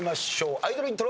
アイドルイントロ。